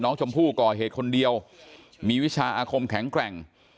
น้องชมพู่ก่อเหตุคนเดียวมีวิชาอาคมแข็งแกร่ง